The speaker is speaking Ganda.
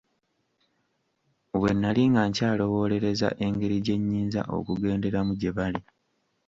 Bwe nali nga nkyalowoolereza engeri gye nnyinza okugenderamu gye bali.